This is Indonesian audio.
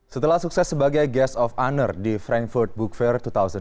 setelah sukses sebagai guest of honor di frankfurt book fair dua ribu delapan belas